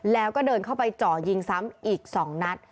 แล้วก็เดินเข้าไปเจาะยิงซ้ำอีก๒นัด